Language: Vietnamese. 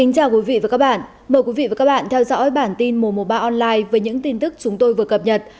chào mừng quý vị đến với bản tin mùa một mươi ba online với những tin tức chúng tôi vừa cập nhật